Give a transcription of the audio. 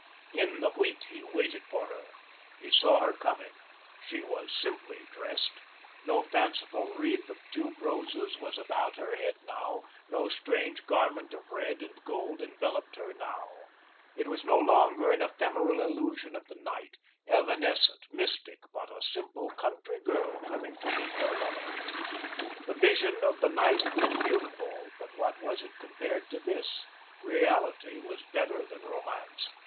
In the wheat he waited for her. He saw her coming. She was simply dressed. No fanciful wreath of tube roses was about her head now, no strange garment of red and gold enveloped her now. It was no longer an ephemeral illusion of the night, evanescent, mystic, but a simple country girl coming to meet her lover. The vision of the night had been beautiful, but what was it compared to this? Reality was better than Romance.